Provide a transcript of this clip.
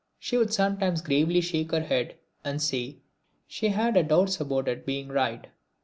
She would sometimes gravely shake her head and say she had her doubts about its being right.